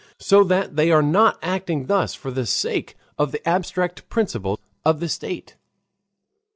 So that they are not acting thus for the sake of the abstract principle of the state.